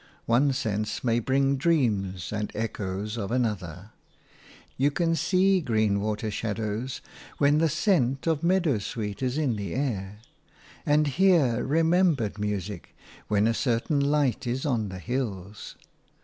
One sense may bring dreams and echoes of another – you can see green water shadows when the scent of meadowsweet is in the air, and hear remembered music when a certain light is on the hills.